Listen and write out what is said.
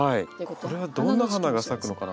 これはどんな花が咲くのかな？